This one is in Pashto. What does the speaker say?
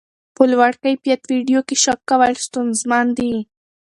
په لوړ کیفیت ویډیو کې شک کول ستونزمن دي.